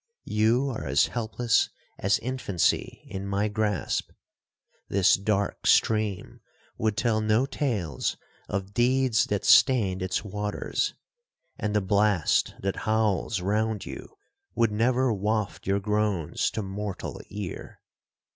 You are as helpless as infancy in my grasp. This dark stream would tell no tales of deeds that stained its waters,—and the blast that howls round you would never waft your groans to mortal ear!